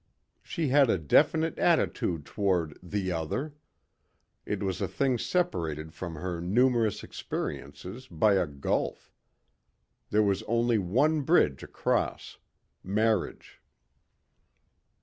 She had a definite attitude toward "the other." It was a thing separated from her numerous experiences by a gulf. There was only one bridge across marriage.